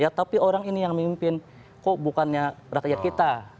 ya tapi orang ini yang mimpin kok bukannya rakyat kita